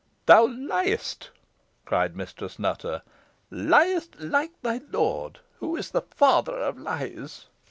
"Thou liest!" cried Mistress Nutter "liest like thy lord, who is the father of lies.